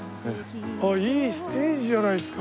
ああいいステージじゃないですか。